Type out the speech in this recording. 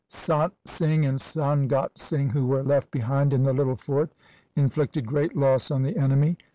Sant Singh and Sangat Singh, who were left behind in the little fort, inflicted great loss on the enemy.